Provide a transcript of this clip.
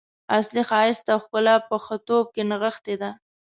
اصلي ښایست او ښکلا په ښه توب کې نغښتې ده.